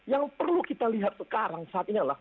yang perlu kita lihat sekarang saat ini adalah